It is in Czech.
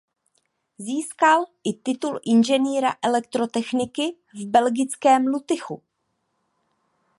Získal i titul inženýra elektrotechniky v belgickém Lutychu.